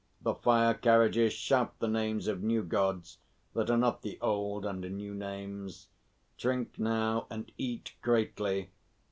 The fire carriages shout the names of new Gods that are not the old under new names. Drink now and eat greatly!